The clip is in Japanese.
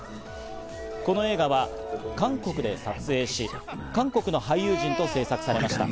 この映画は韓国で撮影し、韓国の俳優陣と製作されました。